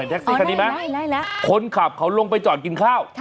แท็กซี่คันนี้ไหมคนขับเขาลงไปจอดกินข้าว